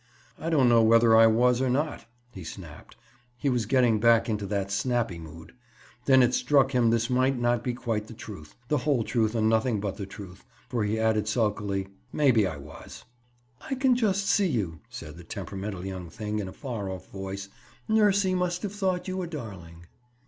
"I don't know whether I was or not," he snapped. He was getting back into that snappy mood. Then it struck him this might not be quite the truth, the whole truth, and nothing but the truth, for he added sulkily; "Maybe I was." "I can just see you," said the temperamental young thing in a far off voice. "Nursie must have thought you a darling."